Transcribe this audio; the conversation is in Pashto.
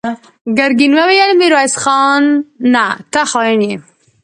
ګرګين وويل: ميرويس خانه! ته خاين يې!